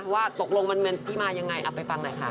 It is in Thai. ว่าตกลงมันเป็นที่มายังไงเอาไปฟังหน่อยค่ะ